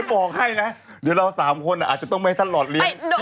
บอกให้นะเดี๋ยวเรา๓คนอาจจะต้องไม่ให้ท่านหลอดเลี้ยง